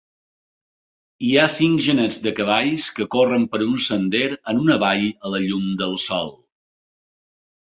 Hi ha cinc genets de cavalls que corren per un sender en una vall a la llum del sol